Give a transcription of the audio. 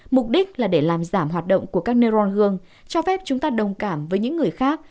mục đích là để làm giảm hoạt động của các neuron gương cho phép chúng ta đồng cảm với những người khác